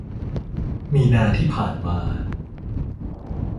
มีนาที่ผ่านมา